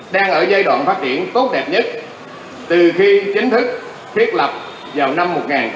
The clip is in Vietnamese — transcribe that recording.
đang ở giai đoạn phát triển tốt đẹp nhất từ khi chính thức thiết lập vào năm một nghìn chín trăm bảy mươi